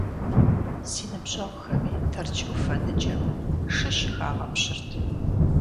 Си ныбжьэгъухэми Тэрч Ӏуфэ ныджэм шы щыхагъэпщырт.